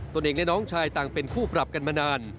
ตัวเองและน้องชายต่างเป็นคู่ปรับกันมานาน